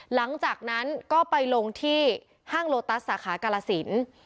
หลังจากนั้นก็ไปลงที่ห้างโลตัสสาขากาลสิน